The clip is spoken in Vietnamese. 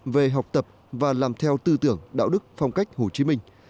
về học tập và làm theo tư tưởng đạo đức phong cách hồ chí minh